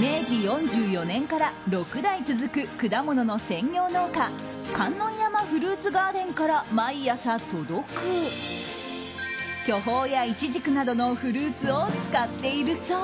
明治４４年から６代続く果物の専業農家観音山フルーツガーデンから毎朝届く巨峰やイチジクなどのフルーツを使っているそう。